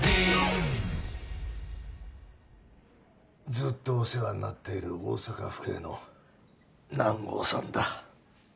ずっとお世話になっている大阪府警の南郷さんだ。